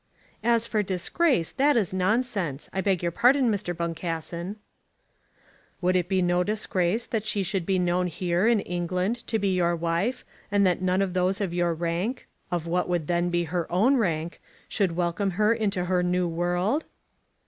"As for disgrace, that is nonsense. I beg your pardon, Mr. Boncassen." "Would it be no disgrace that she should be known here, in England, to be your wife, and that none of those of your rank, of what would then be her own rank, should welcome her into her new world?"